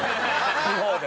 地方で？